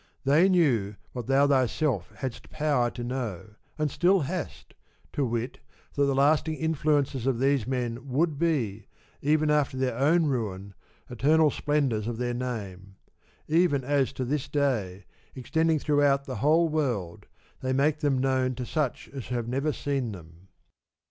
45 They knew what thou thyself hadst power to know, and still hast, to wit that the lasting influences of these men would be, even after their own ruin, eternal splendours of their name; even as to this day, extending throughout the whole world, they make them known to such as have never seen them.